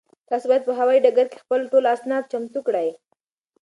تاسو باید په هوایي ډګر کې خپل ټول اسناد چمتو کړئ.